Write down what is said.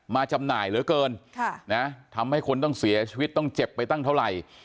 จำหน่ายเหลือเกินทำให้คนต้องเสียชีวิตต้องเจ็บไปตั้งเท่าไหร่